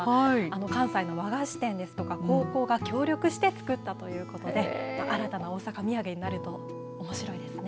関西の和菓子店ですとか高校が協力して作ったということで新たな大阪土産になるとおもしろいですね。